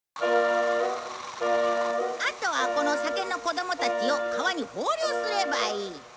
あとはこの酒の子どもたちを川に放流すればいい。